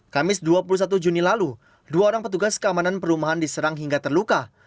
kamis dua puluh satu juni lalu dua orang petugas keamanan perumahan diserang hingga terluka